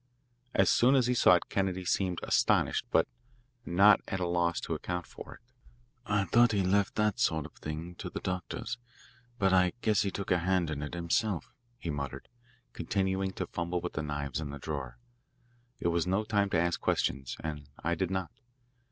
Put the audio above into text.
As soon as he saw it Kennedy seemed astonished but not at a loss to account for it. "I thought he left that sort of thing to the doctors, but I guess he took a hand in it himself," he muttered, continuing to fumble with the knives in the drawer. It was no time to ask questions, and I did not.